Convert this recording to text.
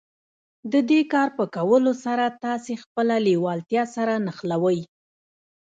د دې کار په کولو سره تاسې خپله لېوالتیا سره نښلوئ.